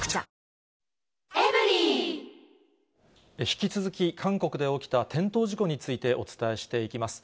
引き続き、韓国で起きた転倒事故についてお伝えしていきます。